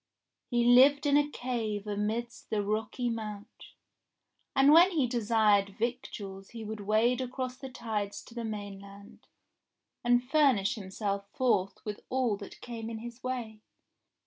He lived in a cave amidst the rocky Mount, and when he desired victuals he would wade across the tides to the mainland and furnish himself forth with all that came in his way.